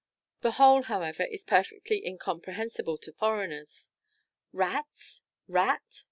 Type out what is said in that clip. The whole, however, is perfectly incomprehensible to foreigners. "Rats! rat!"